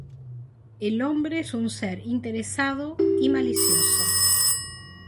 El hombre es un ser interesado y malicioso.